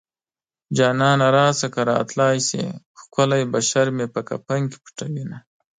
جانانه راشه که راتلی شې ښکلی بشر مې په کفن کې پټوينه